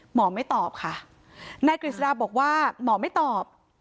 หมอไม่ตอบค่ะนายกฤษฎาบอกว่าหมอไม่ตอบ